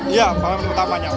iya pengalaman pertama